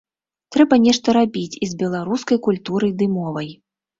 Трэба нешта рабіць і з беларускай культурай ды мовай.